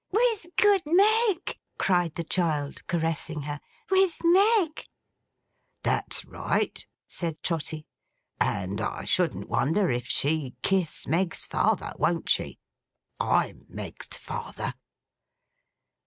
'With good Meg!' cried the child, caressing her. 'With Meg.' 'That's right,' said Trotty. 'And I shouldn't wonder if she kiss Meg's father, won't she? I'm Meg's father.